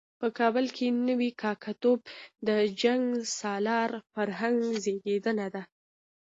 په کابل کې نوی کاکه توب د جنګ سالار فرهنګ زېږنده دی.